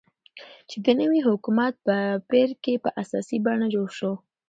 چې د نوي حكومت په پير كې په اساسي بڼه جوړ شو،